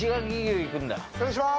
失礼します。